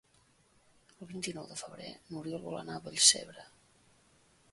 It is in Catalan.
El vint-i-nou de febrer n'Oriol vol anar a Vallcebre.